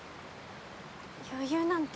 余裕なんて。